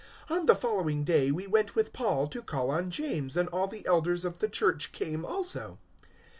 021:018 On the following day we went with Paul to call on James, and all the Elders of the Church came also.